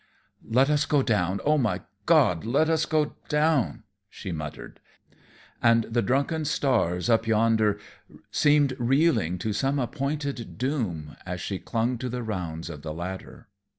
"Let us go down, oh, my God! let us go down!" she muttered. And the drunken stars up yonder seemed reeling to some appointed doom as she clung to the rounds of the ladder.